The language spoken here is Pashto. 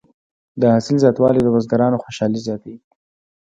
د حاصل زیاتوالی د بزګرانو خوشحالي زیاته وي.